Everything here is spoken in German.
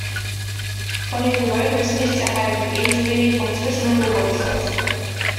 Von den Gewölben ist nichts erhalten, ebenso wenig vom Zwischen- und Obergeschoss.